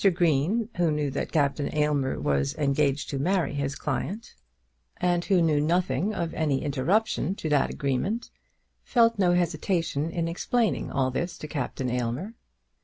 Green, who knew that Captain Aylmer was engaged to marry his client, and who knew nothing of any interruption to that agreement, felt no hesitation in explaining all this to Captain Aylmer.